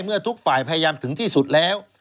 เมื่อทุกฝ่ายพยายามถึงที่สุดแล้ว